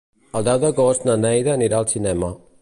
El deu d'agost na Neida anirà al cinema.